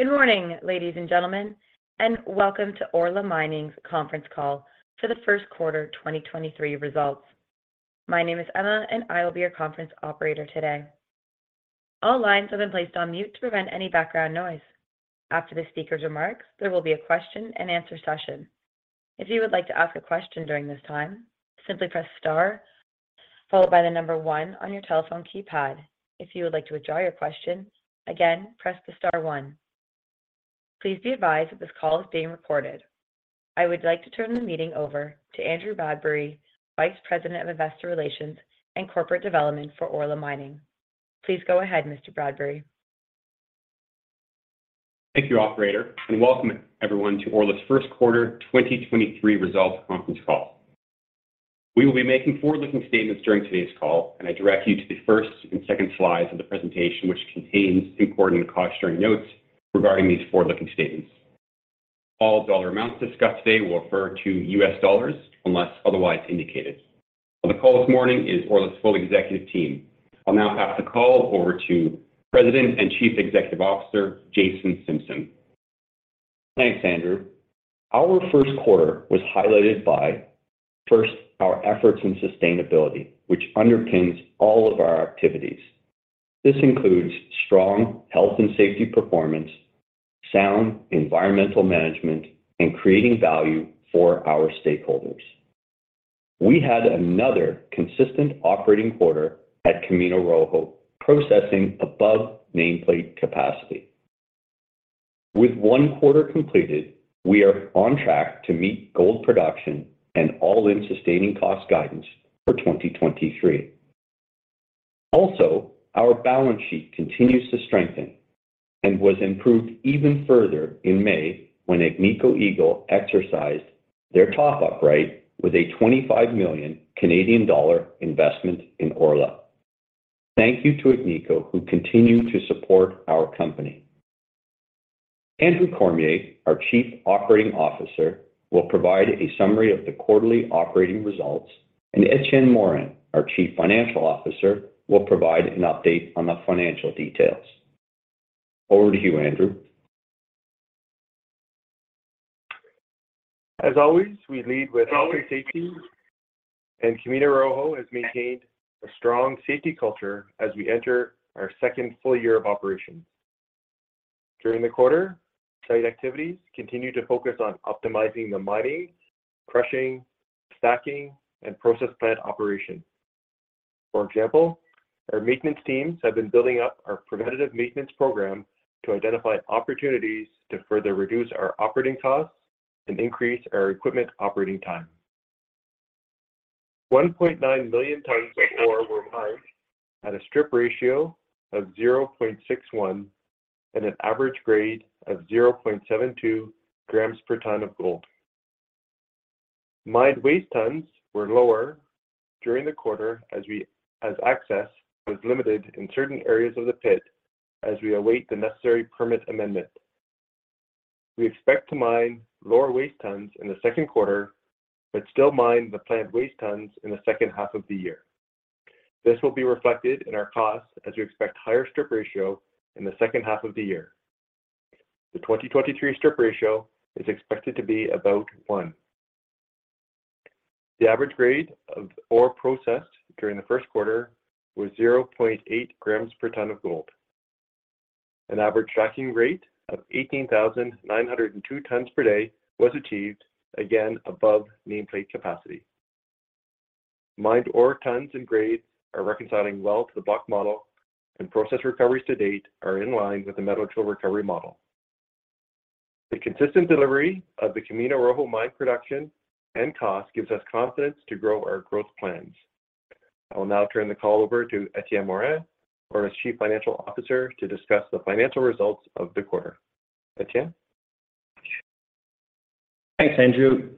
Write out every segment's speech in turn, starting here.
Good morning, ladies and gentlemen. Welcome to Orla Mining's Conference Call For The Q1 2023 Results. My name is Emma. I will be your conference operator today. All lines have been placed on mute to prevent any background noise. After the speaker's remarks, there will be a question-and-answer session. If you would like to ask a question during this time, simply press star followed by the number one on your telephone keypad. If you would like to withdraw your question, again, press the star one. Please be advised that this call is being recorded. I would like to turn the meeting over to Andrew Bradbury, Vice President of Investor Relations and Corporate Development for Orla Mining. Please go ahead, Mr. Bradbury. Thank you, operator, and welcome everyone to Orla's Q1 2023 Results Conference Call. We will be making forward-looking statements during today's call, and I direct you to the first and second slides of the presentation, which contains important cautionary notes regarding these forward-looking statements. All dollar amounts discussed today will refer to US dollars unless otherwise indicated. On the call this morning is Orla's full executive team. I'll now pass the call over to President and Chief Executive Officer, Jason Simpson. Thanks, Andrew. Our Q1 was highlighted by, first, our efforts in sustainability, which underpins all of our activities. This includes strong health and safety performance, sound environmental management, and creating value for our stakeholders. We had another consistent operating quarter at Camino Rojo, processing above nameplate capacity. With one quarter completed, we are on track to meet gold production and all-in sustaining cost guidance for 2023. Our balance sheet continues to strengthen and was improved even further in May when Agnico Eagle exercised their top-up right with a 25 million Canadian dollar investment in Orla. Thank you to Agnico, who continue to support our company. Andrew Cormier, our Chief Operating Officer, will provide a summary of the quarterly operating results, and Etienne Morin, our Chief Financial Officer, will provide an update on the financial details. Over to you, Andrew. As always, we lead with health and safety, and Camino Rojo has maintained a strong safety culture as we enter our second full year of operation. During the quarter, site activities continued to focus on optimizing the mining, crushing, stacking, and process plant operations. For example, our maintenance teams have been building up our preventative maintenance program to identify opportunities to further reduce our operating costs and increase our equipment operating time. 1.9 million tons of ore were mined at a strip ratio of 0.61 and an average grade of 0.72 grams per ton of gold. Mined waste tons were lower during the quarter as access was limited in certain areas of the pit as we await the necessary permit amendment. We expect to mine lower waste tons in the Q2, still mine the planned waste tons in the second half of the year. This will be reflected in our costs as we expect higher strip ratio in the second half of the year. The 2023 strip ratio is expected to be about one. The average grade of ore processed during the Q1 was 0.8 grams per ton of gold. An average stacking rate of 18,902 tons per day was achieved, again, above nameplate capacity. Mined ore tons and grades are reconciling well to the block model, and process recoveries to date are in line with the metallurgical recovery model. The consistent delivery of the Camino Rojo mine production and cost gives us confidence to grow our growth plans. I will now turn the call over to Etienne Morin, Orla's Chief Financial Officer, to discuss the financial results of the quarter. Etienne? Thanks, Andrew.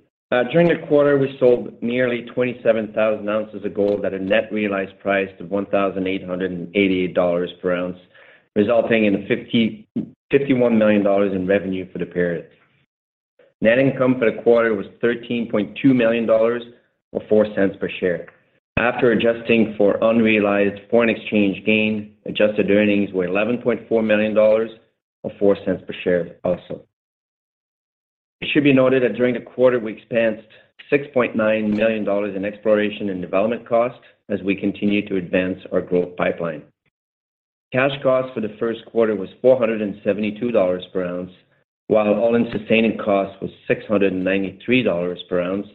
During the quarter, we sold nearly 27,000 ounces of gold at a net realized price of $1,888 per ounce, resulting in $51 million in revenue for the period. Net income for the quarter was $13.2 million or $0.04 per share. After adjusting for unrealized foreign exchange gain, adjusted earnings were $11.4 million or $0.04 per share also. It should be noted that during the quarter, we expensed $6.9 million in exploration and development costs as we continue to advance our growth pipeline. Cash cost for the Q1 was $472 per ounce, while all-in sustaining cost was $693 per ounce.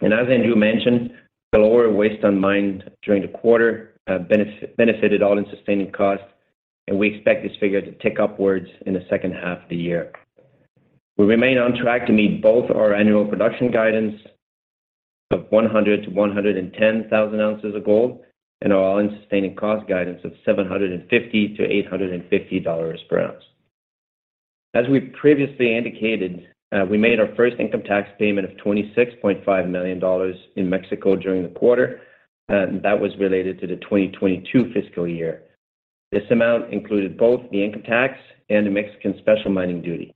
As Andrew mentioned, the lower waste on mine during the quarter benefited all-in sustaining costs, and we expect this figure to tick upwards in the second half of the year. We remain on track to meet both our annual production guidance of 100,000-110,000 ounces of gold and our all-in sustaining cost guidance of $750-$850 per ounce. As we previously indicated, we made our first income tax payment of MXN 26.5 million in Mexico during the quarter, and that was related to the 2022 fiscal year. This amount included both the income tax and the Mexican Special Mining Duty.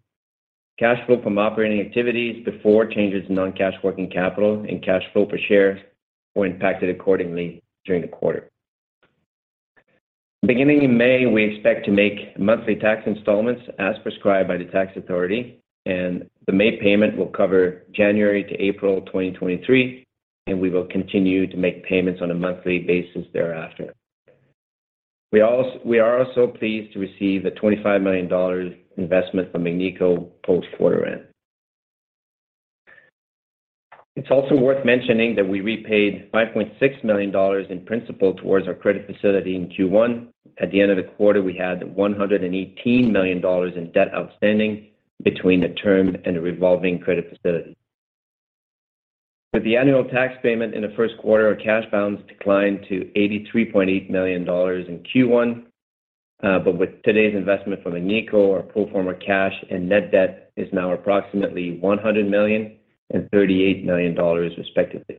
Cash flow from operating activities before changes in non-cash working capital and cash flow per share were impacted accordingly during the quarter. Beginning in May, we expect to make monthly tax installments as prescribed by the tax authority, and the May payment will cover January to April 2023, and we will continue to make payments on a monthly basis thereafter. We are also pleased to receive a $ 25 million investment from Agnico post-quarter end. It's also worth mentioning that we repaid $5.6 million in principal towards our credit facility in Q1. At the end of the quarter, we had $118 million in debt outstanding between the term and the revolving credit facility. With the annual tax payment in the Q1, our cash balance declined to $83.8 million in Q1. With today's investment from Agnico, our pro-forma cash and net debt is now approximately $100 million and $38 million respectively.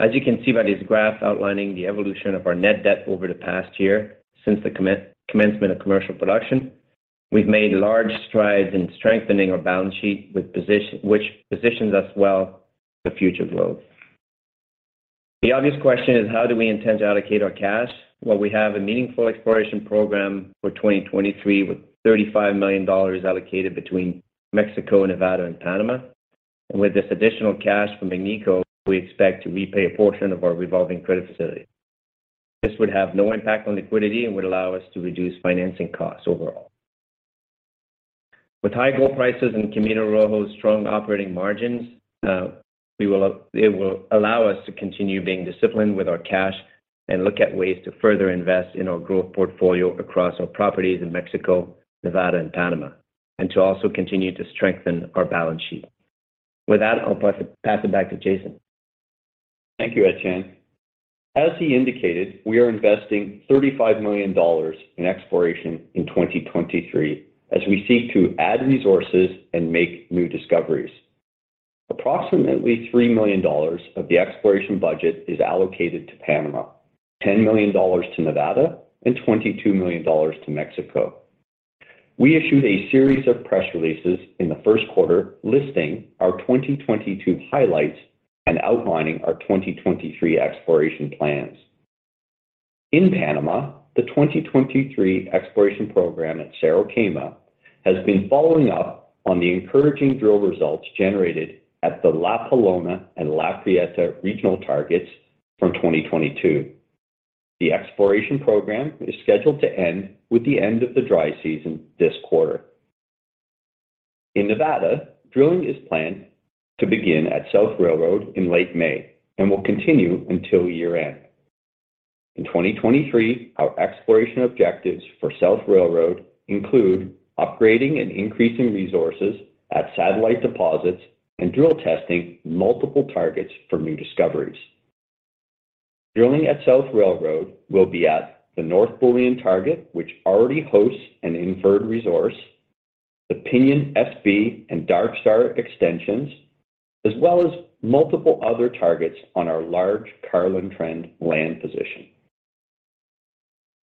As you can see by this graph outlining the evolution of our net debt over the past year since the commencement of commercial production, we've made large strides in strengthening our balance sheet which positions us well for future growth. The obvious question is, how do we intend to allocate our cash? Well, we have a meaningful exploration program for 2023 with $35 million allocated between Mexico, Nevada, and Panama. With this additional cash from Agnico, we expect to repay a portion of our revolving credit facility. This would have no impact on liquidity and would allow us to reduce financing costs overall. With high gold prices and Camino Rojo's strong operating margins, it will allow us to continue being disciplined with our cash and look at ways to further invest in our growth portfolio across our properties in Mexico, Nevada, and Panama, and to also continue to strengthen our balance sheet. With that, I'll pass it back to Jason. Thank you, Etienne. As he indicated, we are investing $35 million in exploration in 2023 as we seek to add resources and make new discoveries. Approximately $3 million of the exploration budget is allocated to Panama, $10 million to Nevada, and $22 million to Mexico. We issued a series of press releases in the Q1 listing our 2022 highlights and outlining our 2023 exploration plans. In Panama, the 2023 exploration program at Cerro Quema has been following up on the encouraging drill results generated at the La Pelona and La Prieta regional targets from 2022. The exploration program is scheduled to end with the end of the dry season this quarter. In Nevada, drilling is planned to begin at South Railroad in late May and will continue until year-end. In 2023, our exploration objectives for South Railroad include upgrading and increasing resources at satellite deposits and drill testing multiple targets for new discoveries. Drilling at South Railroad will be at the North Bullion target, which already hosts an inferred resource, the Pinion SB and Dark Star extensions, as well as multiple other targets on our large Carlin Trend land position.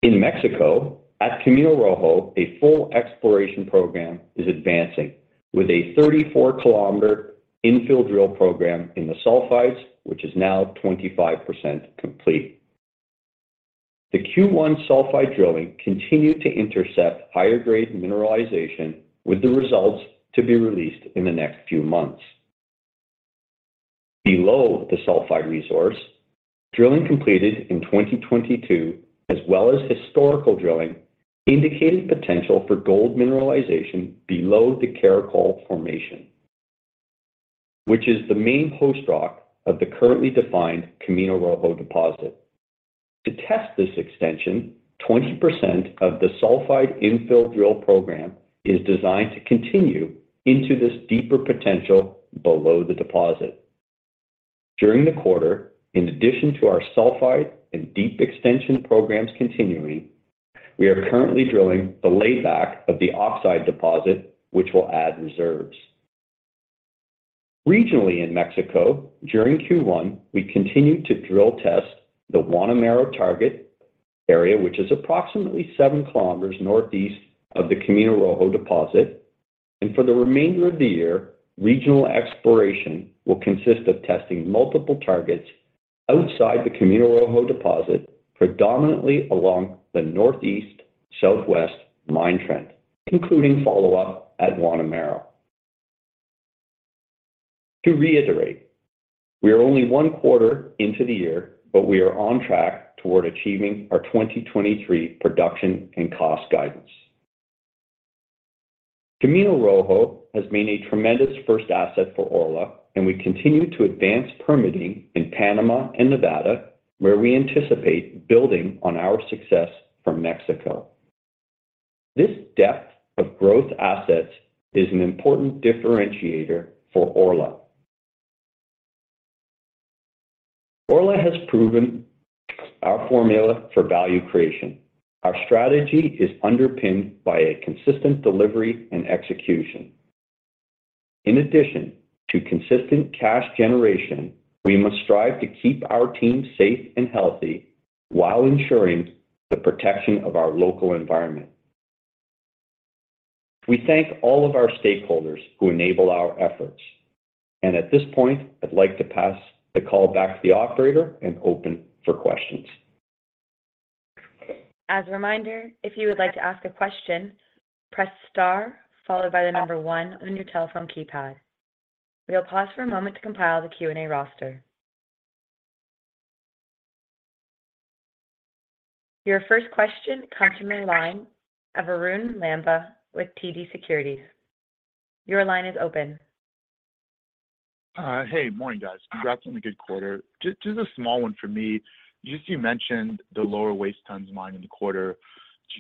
In Mexico, at Camino Rojo, a full exploration program is advancing with a 34 kilometer infill drill program in the sulfides, which is now 25% complete. The Q1 sulfide drilling continued to intercept higher grade mineralization, with the results to be released in the next few months. Below the sulfide resource, drilling completed in 2022, as well as historical drilling, indicated potential for gold mineralization below the Caracol Formation, which is the main host rock of the currently defined Camino Rojo deposit. To test this extension, 20% of the sulfide infill drill program is designed to continue into this deeper potential below the deposit. During the quarter, in addition to our sulfide and deep extension programs continuing, we are currently drilling the layback of the oxide deposit, which will add reserves. Regionally in Mexico, during Q1, we continued to drill test the Guanamero target area, which is approximately seven kilometers northeast of the Camino Rojo deposit. For the remainder of the year, regional exploration will consist of testing multiple targets outside the Camino Rojo deposit, predominantly along the northeast-southwest mine trend, including follow-up at Guanamero. To reiterate, we are only one quarter into the year, but we are on track toward achieving our 2023 production and cost guidance. Camino Rojo has been a tremendous first asset for Orla, and we continue to advance permitting in Panama and Nevada, where we anticipate building on our success from Mexico. This depth of growth assets is an important differentiator for Orla. Orla has proven our formula for value creation. Our strategy is underpinned by a consistent delivery and execution. In addition to consistent cash generation, we must strive to keep our team safe and healthy while ensuring the protection of our local environment. We thank all of our stakeholders who enable our efforts. At this point, I'd like to pass the call back to the operator and open for questions. As a reminder, if you would like to ask a question, press star followed by one on your telephone keypad. We'll pause for a moment to compile the Q&A roster. Your first question comes from the line of Arun Lamba with TD Securities. Your line is open. Hey, morning, guys. Congrats on the good quarter. Just a small one for me. You just mentioned the lower waste tons mined in the quarter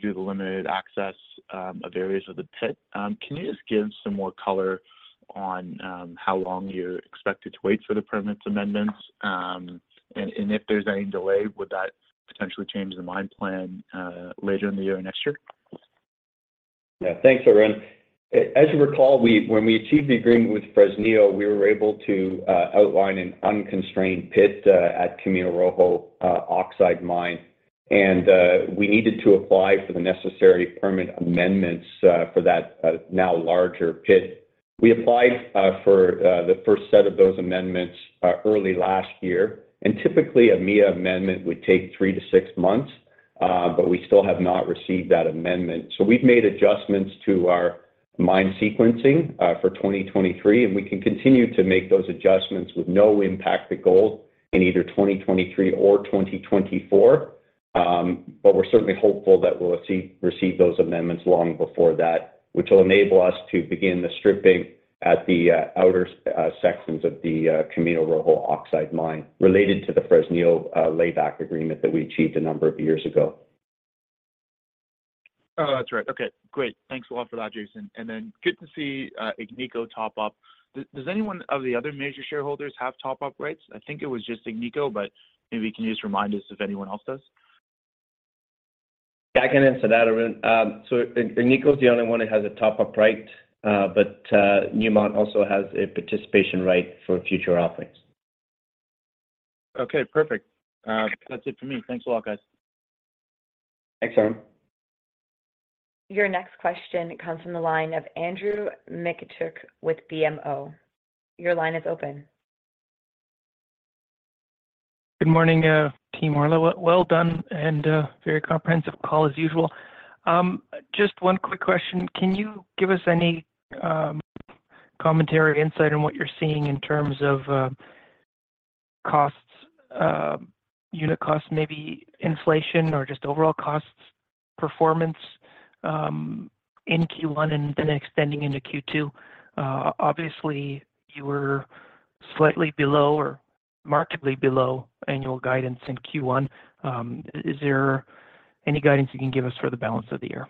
due to the limited access of areas of the pit. Can you just give some more color on how long you're expected to wait for the permits amendments, and if there's any delay, would that potentially change the mine plan later in the year or next year? Yeah. Thanks, Arun. As you recall, we when we achieved the agreement with Fresnillo, we were able to outline an unconstrained pit at Camino Rojo oxide mine. We needed to apply for the necessary permit amendments for that now larger pit. We applied for the first set of those amendments early last year, typically a MIA amendment would take three to six months, we still have not received that amendment. We've made adjustments to our mine sequencing for 2023, we can continue to make those adjustments with no impact to gold in either 2023 or 2024. We're certainly hopeful that we'll receive those amendments long before that, which will enable us to begin the stripping at the outer sections of the Camino Rojo oxide mine related to the Fresnillo layback agreement that we achieved a number of years ago. That's right. Okay, great. Thanks a lot for that, Jason. Then good to see Agnico top up. Does any one of the other major shareholders have top-up rights? I think it was just Agnico, but maybe you can just remind us if anyone else does. Yeah. I can answer that, Arun. Agnico is the only one that has a top-up right, but Newmont also has a participation right for future offerings. Okay, perfect. That's it for me. Thanks a lot, guys. Thanks, Arun. Your next question comes from the line of Andrew Mikityuk with BMO. Your line is open. Good morning, team Orla. Well done and very comprehensive call as usual. Just one quick question. Can you give us any commentary or insight on what you're seeing in terms of costs, unit costs, maybe inflation or just overall costs performance in Q1 and extending into Q2? Obviously you were slightly below or markedly below annual guidance in Q1. Is there any guidance you can give us for the balance of the year?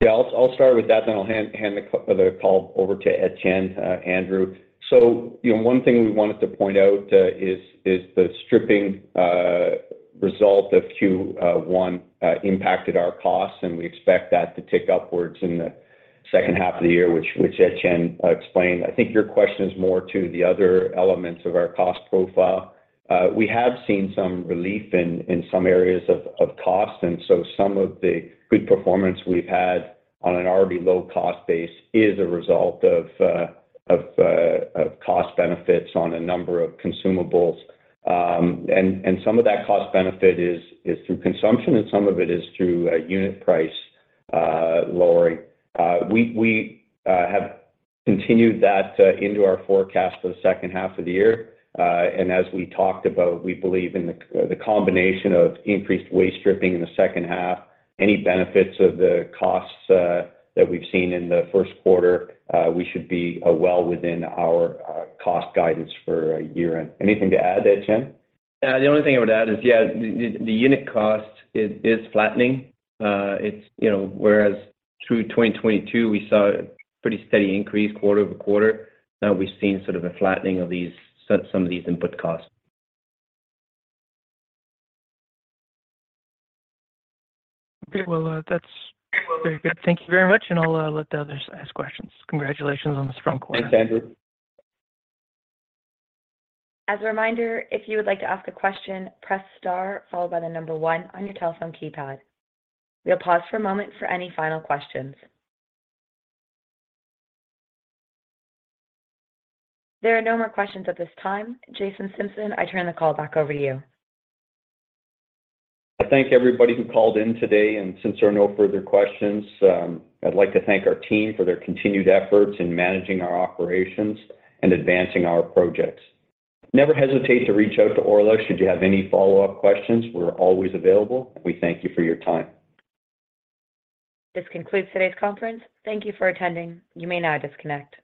Yeah. I'll start with that, then I'll hand the call over to Etienne Morin, Andrew. You know, one thing we wanted to point out is the stripping result of Q1 impacted our costs, and we expect that to tick upwards in the second half of the year, which Etienne Morin explained. I think your question is more to the other elements of our cost profile. We have seen some relief in some areas of cost, and so some of the good performance we've had on an already low cost base is a result of cost benefits on a number of consumables. Some of that cost benefit is through consumption and some of it is through unit price lowering. We have continued that into our forecast for the second half of the year. As we talked about, we believe in the combination of increased waste stripping in the second half, any benefits of the costs that we've seen in the Q1, we should be well within our cost guidance for a year end. Anything to add there, Etienne? The only thing I would add is, yeah, the unit cost is flattening. It's, you know, whereas through 2022, we saw a pretty steady increase quarter-over-quarter. Now we've seen sort of a flattening of some of these input costs. Okay. Well, that's very good. Thank you very much, and I'll let the others ask questions. Congratulations on the strong quarter. Thanks, Andrew. As a reminder, if you would like to ask a question, press star followed by the number one on your telephone keypad. We'll pause for a moment for any final questions. There are no more questions at this time. Jason Simpson, I turn the call back over to you. I thank everybody who called in today. Since there are no further questions, I'd like to thank our team for their continued efforts in managing our operations and advancing our projects. Never hesitate to reach out to Orla should you have any follow-up questions. We're always available. We thank you for your time. This concludes today's conference. Thank you for attending. You may now disconnect.